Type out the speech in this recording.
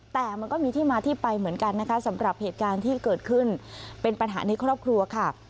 แต่มันก็มีที่มาที่ไปเหมือนกันนะคะสำหรับเหตุการณ์ที่เกิดขึ้นเป็นปัญหาในครอบครัวค่ะ